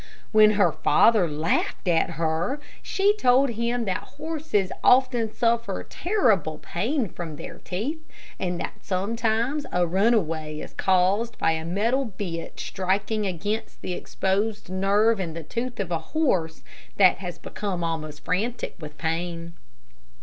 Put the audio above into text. When her father laughed at her, she told him that horses often suffer terrible pain from their teeth, and that sometimes a runaway is caused by a metal bit striking against the exposed nerve in the tooth of a horse that has become almost frantic with pain.